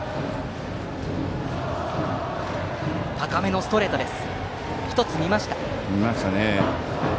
高めのストレートを１つ見ました。